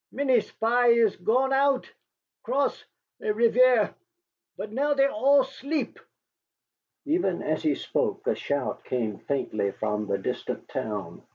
Many spy is gone out cross la rivière. But now they all sleep." Even as he spoke a shout came faintly from the distant town.